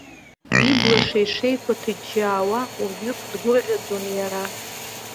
Ибла шеишеиқәа ҭыџьџьаауа, уажәык дгәырӷьаӡон иара.